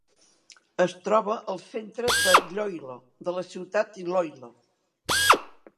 Es troba al centre de Iloilo, de la ciutat Iloilo.